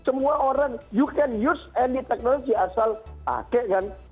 semua orang you can use andy technology asal pakai kan